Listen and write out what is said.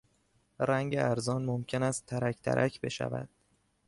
رنگ ارزان ممکن است ترک ترک بشود.